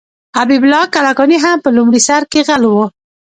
حبیب الله کلکاني هم په لومړي سر کې غل و.